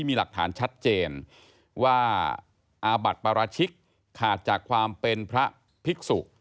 มีหลักฐานชัดเจนว่าอาบัติปราชิกขาดจากความเป็นพระภิกษุ